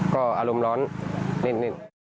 ก็อารมณ์ร้อนนิด